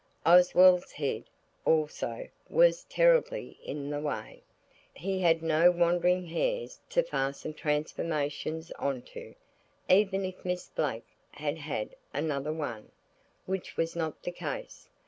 Oswald's head, also, was terribly in the way. He had no wandering hairs to fasten transformations on to, even if Miss Blake had had another one, which was not the case.